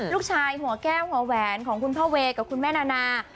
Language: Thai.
ลูกชายหัวแก้วหัวแหวนของคุณพ่อเวกับคุณแม่นา